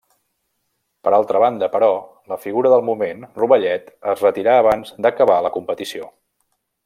Per altra banda, però, la figura del moment, Rovellet es retirà abans d'acabar la competició.